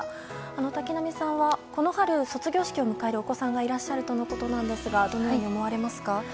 瀧波さんは、この春卒業式を迎えるお子さんがいらっしゃるとのことですがどう思われますか？